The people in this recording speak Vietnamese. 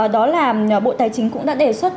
đó là bộ tài chính cũng đã đề xuất